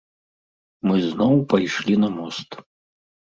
Мы зноў пайшлі на мост.